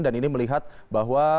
dan ini melihat bahwa